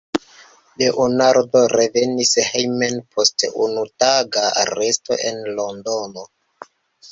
Leonardo revenis hejmen post unutaga resto en Londono.